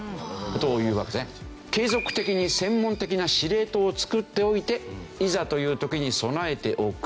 継続的に専門的な司令塔を作っておいていざという時に備えておく。